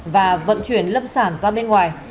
và vận chuyển lâm sản ra bên ngoài